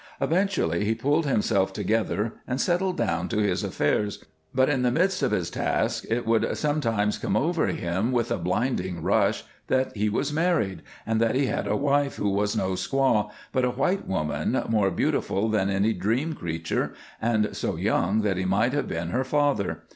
Eventually he pulled himself together and settled down to his affairs, but in the midst of his tasks it would sometimes come over him with a blinding rush that he was married, that he had a wife who was no squaw, but a white woman, more beautiful than any dream creature, and so young that he might have been her father.